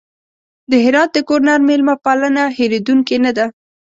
د هرات د ګورنر مېلمه پالنه هېرېدونکې نه ده.